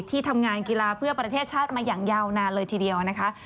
ที่ทำงานกีฬาเพื่อประเทศชาติมาอย่างยาวนานเลยทีเดียวนะคะ